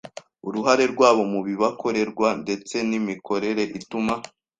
uruhare rwabo mu bibakorerwa ndetse n imikorere ituma